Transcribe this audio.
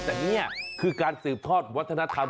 แต่นี่คือการสืบทอดวัฒนธรรม